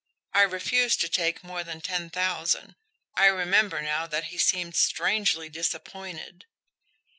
I refused to take more than ten thousand. I remember now that he seemed strangely disappointed."